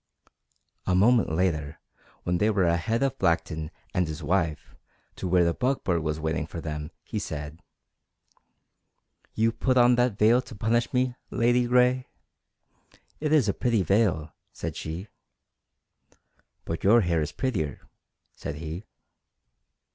A moment later, when they went ahead of Blackton and his wife to where the buckboard was waiting for them, he said: "You put on that veil to punish me, Ladygray?" "It is a pretty veil," said she. "But your hair is prettier," said he.